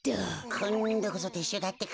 こんどこそてっしゅうだってか。